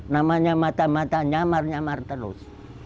namanya mata mata nyamar nyamar terus